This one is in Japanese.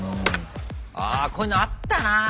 ああこういうのあったなあ。